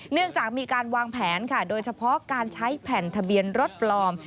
เนื่องจากมีการวางแผนค่ะโดยเฉพาะการใช้แผ่นทะเบียนรถปลอม